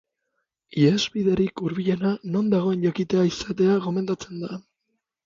Ihes biderik hurbilena non dagoen jakitea izatea gomendatzen da.